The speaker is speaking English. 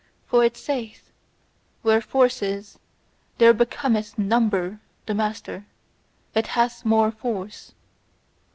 For it saith: "Where force is, there becometh NUMBER the master: it hath more force."